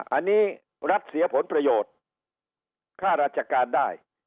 อันนี้รัฐเสียผลประโยชน์ค่าราชการได้